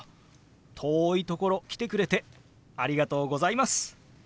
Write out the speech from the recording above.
遠いところ来てくれてありがとうございます。